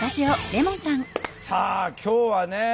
さあ今日はね